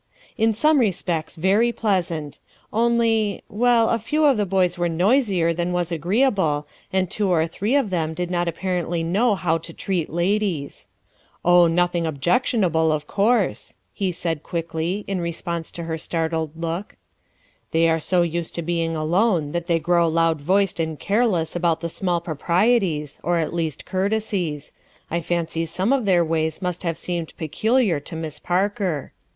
In some respects very pleasant; only — w r ell, a few of the boys were noisier than was agreeable, and two or three of them did not apparently know how to treat ladies, "Oh, nothing objectionable, of course/' he said quickly, in response to her startled look, 42 WOULD SHE "DO"? 43 "They arc so used to being alone that they grow loud voiced and careless about the small proprieties, or at least courtesies; I fancy some of their ways must have seemed peculiar to Miss Parker."